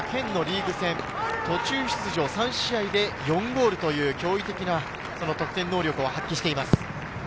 今池は県のリーグ戦、途中出場３試合で４ゴールという驚異的な得点能力を発揮しています。